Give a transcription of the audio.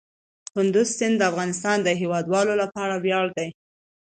کندز سیند د افغانستان د هیوادوالو لپاره ویاړ دی.